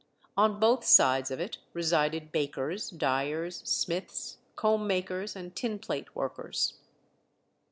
On both sides of it resided bakers, dyers, smiths, combmakers, and tinplate workers.